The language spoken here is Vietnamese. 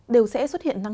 đều sẽ xuất hiện nắng nóng